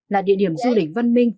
là địa điểm du lịch văn minh